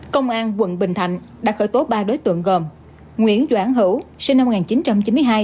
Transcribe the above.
công an quận bình thạnh đã khởi tố ba đối tượng gồm nguyễn doãn hữu sinh năm một nghìn chín trăm chín mươi hai